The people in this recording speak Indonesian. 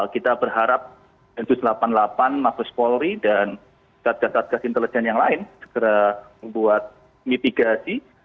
kita berharap densus delapan puluh delapan mabes polri dan satgas satgas intelijen yang lain segera membuat mitigasi